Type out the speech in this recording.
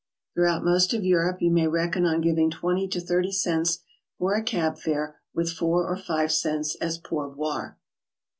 Throughout most of Europe you may reckon on giving 20 to 30 cents for a cab fare, with four or five cents as pourboire.